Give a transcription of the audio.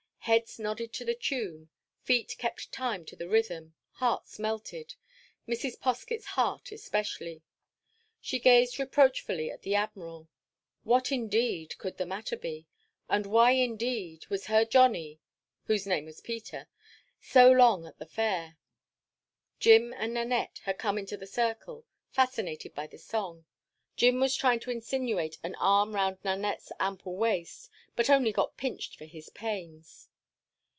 Heads nodded to the tune; feet kept time to the rhythm; hearts melted—Mrs. Poskett's heart, especially. She gazed reproachfully at the Admiral. What, indeed, could the matter be? and why, indeed, was her Johnnie, whose name was Peter, so long at the fair? Jim and Nanette had come into the circle, fascinated by the song. Jim was trying to insinuate an arm round Nanette's ample waist, but only got pinched for his pains.